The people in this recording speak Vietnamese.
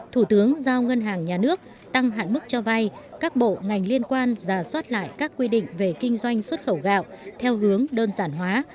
thủ tướng giao ngân hàng nhà nước tăng hạn mức cho vay các bộ ngành liên quan giả soát lại các quy định về kinh doanh xuất khẩu gạo theo hướng đơn giản hóa